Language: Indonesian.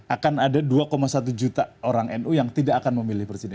akan ada dua satu juta orang nu yang tidak akan memilih presiden